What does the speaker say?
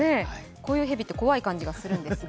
こういう蛇って怖い感じがするんですか。